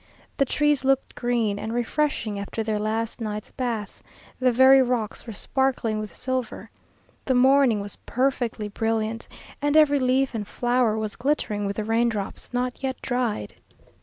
The trees looked green and refreshing after their last night's bath; the very rocks were sparkling with silver. The morning was perfectly brillia'nt, and every leaf and flower was glittering with the rain drops not yet dried.